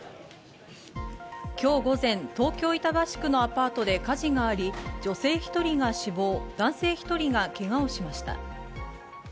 今日午前、東京・板橋区のアパートで火事があり、女性１人が死亡、男性１人がけがをしました。